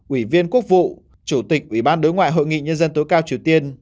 ủy viên quốc vụ chủ tịch ủy ban đối ngoại hội nghị nhân dân tối cao triều tiên